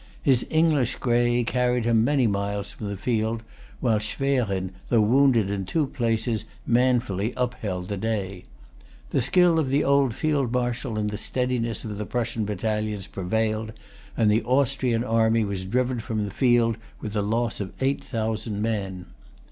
His English gray carried him many miles from the field, while Schwerin, though wounded in two places, manfully upheld the day. The skill of the old Field Marshal and the steadiness of the Prussian battalions prevailed; and the Austrian army was driven from the field with the loss of eight thousand men.